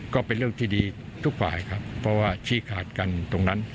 ก็เป็นเรื่องที่ดีทุกฝ่ายครับเพราะว่าชี้ขาดกันตรงนั้น